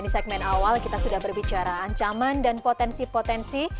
di segmen awal kita sudah berbicara ancaman dan potensi potensi